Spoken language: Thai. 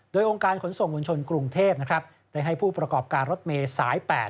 โดยองค์การขนส่งมวลชนกรุงเทพนะครับได้ให้ผู้ประกอบการรถเมย์สาย๘